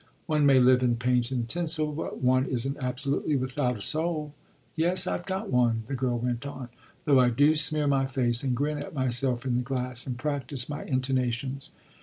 One may live in paint and tinsel, but one isn't absolutely without a soul. Yes, I've got one," the girl went on, "though I do smear my face and grin at myself in the glass and practise my intonations.